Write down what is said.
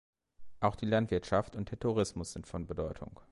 Auch die Landwirtschaft und der Tourismus sind von Bedeutung.